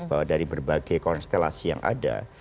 bahwa dari berbagai konstelasi yang ada